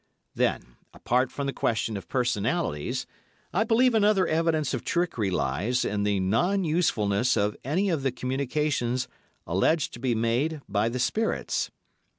Then, apart from the question of personalities, I believe another evidence of trickery lies in the non usefulness of any of the communications alleged to be made by the spirits.